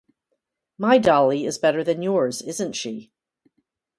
My dolly is better than yours, isn't she?